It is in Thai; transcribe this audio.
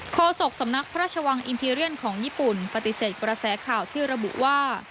โศกสำนักพระราชวังอินทีเรียนของญี่ปุ่นปฏิเสธกระแสข่าวที่ระบุว่า